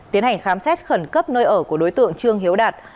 tiến hành khám xét khẩn cấp nơi ở của đối tượng trương hiếu đạt